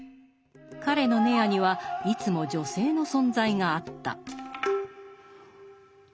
彼の閨にはいつも女性の存在があった。